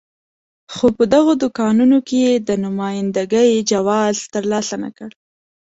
خو په دغو دوکانونو کې یې د نماینده ګۍ جواز ترلاسه نه کړ.